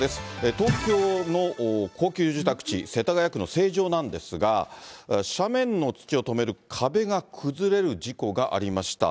東京の高級住宅地、世田谷区の成城なんですが、斜面の土をとめる壁が崩れる事故がありました。